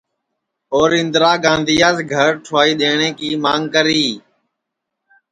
اور اِندرا گاندھیاس گھر ٹھُوائی دؔیٹؔیں کی مانگ کری